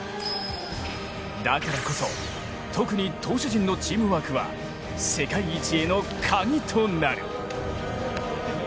だからこそ、特に投手陣のチームワークは世界一への鍵となる。